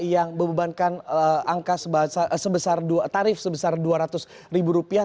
yang membebankan angka sebesar dua ratus ribu rupiah